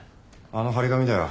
あの張り紙だよ。